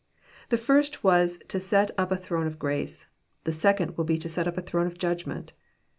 The first was to set up a throne of grace : the second will be to set up a throne of Judgment.